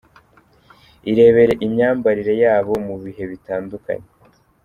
Irebere imyambarire yabo mu bihe bitandukanye:.